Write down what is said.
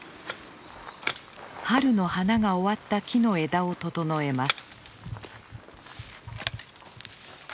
春の花が終わった木の枝を整えます。